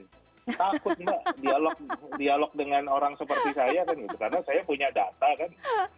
takut mbak dialog dengan orang seperti saya kan gitu karena saya punya data kan